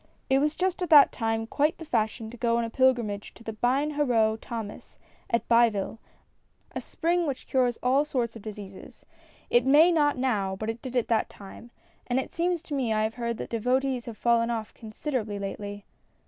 It was just at that time quite the fashion to go on a pilgrimage to the Bienlieureux Thomas, at Biville, a spring which cures all sorts of diseases — it A FISH SUPPER. 25 may not now, but it did at that time — and it seems to me I have heard that the devotees have fallen off, considerably, lately.